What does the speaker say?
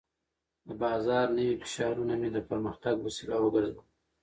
د بازار نوي فشارونه مې د پرمختګ وسیله وګرځول.